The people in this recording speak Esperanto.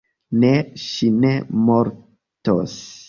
Ne, ŝi ne mortos